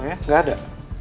oh ya gak ada